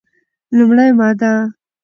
لومړې ماده: